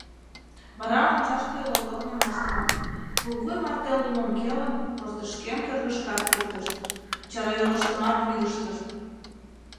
Вара мончашке йолгорным ышт му, пулвуй марте лумым келын, портышкем кӧргышкат пуртышт, чарайолыштымат вӱдыжтышт.